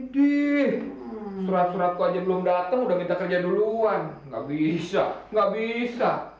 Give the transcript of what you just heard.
di surat surat aja belum datang udah kita kerja duluan nggak bisa nggak bisa